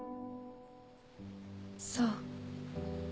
そう。